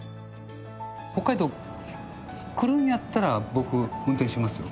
北海道来るんやったら、僕、運転しますよ。